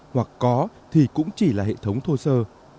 hoặc có thì cũng chỉ là hệ thống thô sơ